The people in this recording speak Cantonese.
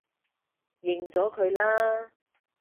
認咗佢啦